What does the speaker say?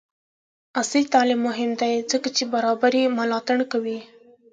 عصري تعلیم مهم دی ځکه چې برابري ملاتړ کوي.